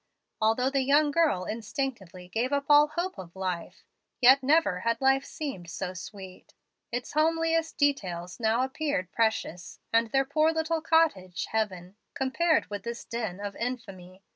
Although the young girl instinctively gave up all hope of life, yet never had life seemed so sweet. Its homeliest details now appeared precious, and their poor little cottage, heaven, compared with this den of infamy.